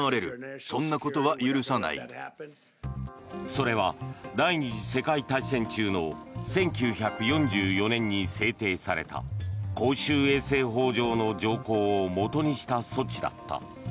それは、第２次世界大戦中の１９４４年に制定された公衆衛生法上の条項をもとにした措置だった。